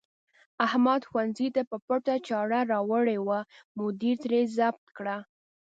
احمد ښوونځي ته په پټه چاړه راوړې وه، مدیر ترې ضبط کړه.